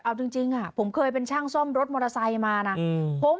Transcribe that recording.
เอาจริงผมเคยเป็นช่างซ่อมรถมอเตอร์ไซค์มานะ